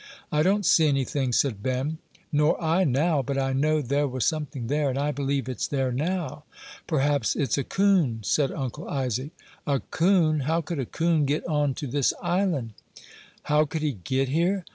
"I don't see anything," said Ben. "Nor I, now; but I know there was something there, and I believe it's there now." "Perhaps it's a coon," said Uncle Isaac. "A coon? How could a coon get on to this island?" "How could he get here?